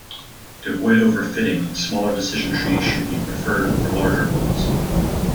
To avoid overfitting, smaller decision trees should be preferred over larger ones.